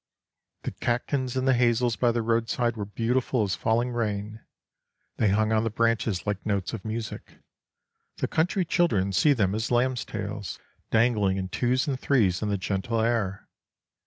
The catkins in the hazels by the roadside were beautiful as falling rain: they hung on the branches like notes of music. The country children see them as lambs' tails, dangling in twos and threes in the gentle air.